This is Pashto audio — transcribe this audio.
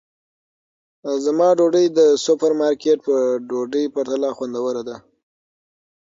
زما ډوډۍ د سوپرمارکېټ په ډوډۍ پرتله خوندوره ده.